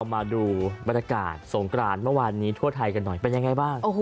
มาดูบรรยากาศสงกรานเมื่อวานนี้ทั่วไทยกันหน่อยเป็นยังไงบ้าง